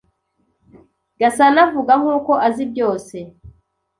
Gasana avuga nkuko azi byose.